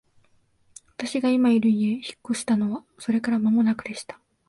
私が今居る家へ引っ越したのはそれから間もなくでした。